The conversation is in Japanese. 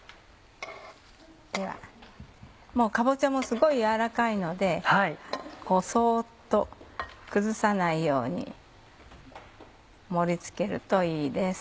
かぼちゃもすごい軟らかいのでそっと崩さないように盛り付けるといいです。